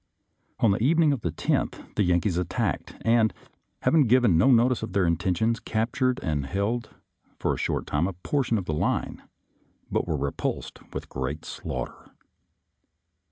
On the evening of the 10th the Yankees attacked, and, having given no notice of their intentions, captured and held for a short time a portion of the line, but were repulsed with great slaughter.